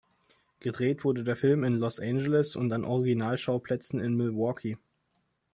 Gedreht wurde der Film in Los Angeles und an Originalschauplätzen in Milwaukee.